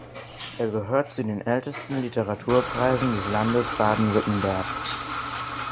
Er gehört zu den ältesten Literaturpreisen des Landes Baden-Württemberg.